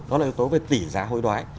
đó là yếu tố về tỷ giá hối đoái